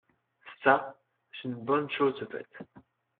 Ça, c’est une bonne chose de faite.